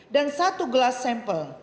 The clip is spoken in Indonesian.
dan satu gelas sampel